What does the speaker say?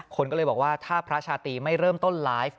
คนก็เลยบอกว่าถ้าพระชาตรีไม่เริ่มต้นไลฟ์